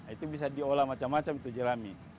itu bisa diolah macam macam itu jerami